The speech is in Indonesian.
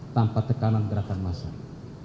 tanpa tekanan gerakan massal